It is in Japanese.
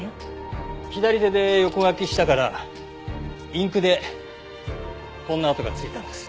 左手で横書きしたからインクでこんな跡がついたんです。